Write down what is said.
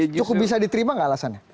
cukup bisa diterima nggak alasannya